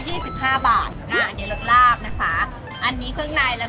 ใช่แต่ถ้าเป็นข่ออย่างนี้ก็คือข่อละ๒๕บาท